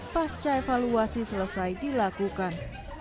pasca evaluasi selesai dilakukan